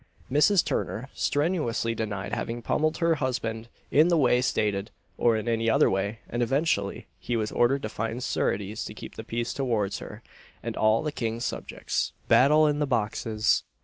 Mrs. Turner strenuously denied having pummelled her husband in the way stated, or in any other way; and eventually he was ordered to find sureties to keep the peace towards her and all the king's subjects. BATTLE IN THE BOXES.